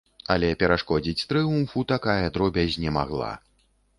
Але перашкодзіць трыумфу такая дробязь не магла.